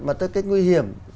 mà cái nguy hiểm